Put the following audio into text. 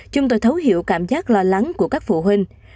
chúng tôi thấu hiểu cảm giác lo lắng của các phụ huynh